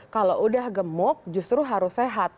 kalau udah gemuk justru harus sehat